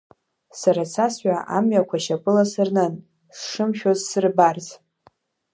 Сара цасҳәа амҩақәа шьапыла сырнын, сшымшәоз дсырбарц.